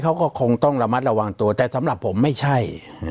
เขาก็คงต้องระมัดระวังตัวแต่สำหรับผมไม่ใช่